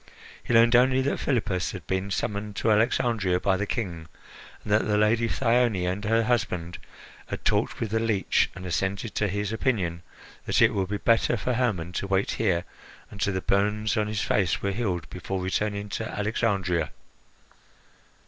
He learned only that Philippus had been summoned to Alexandria by the King, and that the Lady Thyone and her husband had talked with the leech and assented to his opinion that it would be better for Hermon to wait here until the burns on his face were healed before returning to Alexandria.